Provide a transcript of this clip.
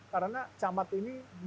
karena camat ini